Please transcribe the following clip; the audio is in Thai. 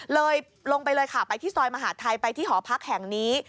ลงไปเลยค่ะไปที่ซอยมหาดไทยไปที่หอพักแห่งนี้